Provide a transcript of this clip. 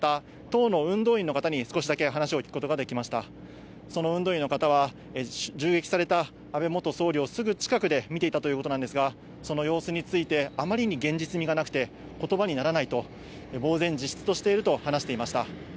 その運動員の方は、銃撃された安倍元総理をすぐ近くで見ていたということなんですが、その様子について、あまりに現実味がなくて、ことばにならないと、ぼう然自失としていると話していました。